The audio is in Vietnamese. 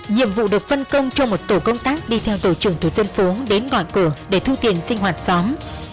nhiệm vụ được phân công trong một tổ công tác đi theo tổ trưởng thuộc dân phố đến ngọn cửa để thu tiền sinh hoạt xóm